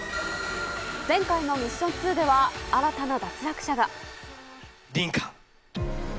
前回のミッション２では、新たなリンカ。